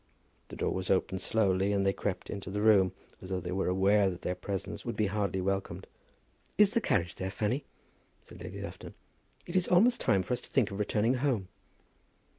The door was opened slowly, and they crept into the room as though they were aware that their presence would be hardly welcomed. "Is the carriage there, Fanny?" said Lady Lufton. "It is almost time for us to think of returning home."